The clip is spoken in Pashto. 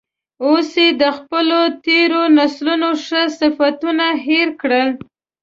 اوس یې د خپلو تیرو نسلونو ښه صفتونه هیر کړي.